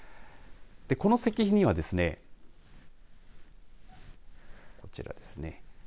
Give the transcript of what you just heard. この石碑にはですねこちらですね